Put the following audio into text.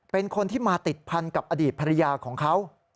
เป็นคนที่มาติดพันกับอดีตภรรยาของเขา